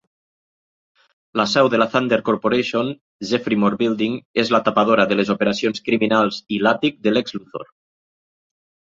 La seu de la Thunder Corporation, "Zephrymore Building", és la tapadora de les operacions criminals i l'àtic de Lex Luthor.